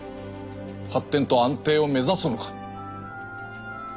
発展と安定を目指すのか？